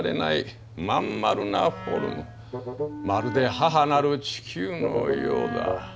まるで母なる地球のようだ。